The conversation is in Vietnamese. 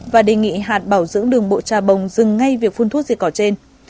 và đề nghị hạt bảo dưỡng đường bộ trà bồng dừng ngay việc phun thuốc diệt cỏ trên